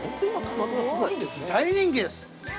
大人気です。